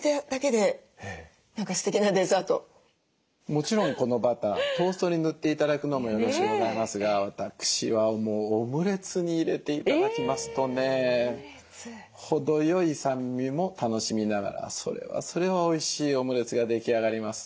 もちろんこのバタートーストに塗って頂くのもよろしゅうございますが私はもうオムレツに入れて頂きますとね程よい酸味も楽しみながらそれはそれはおいしいオムレツが出来上がります。